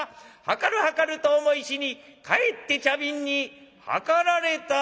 謀る謀ると思いしにかえって茶瓶に謀られた」。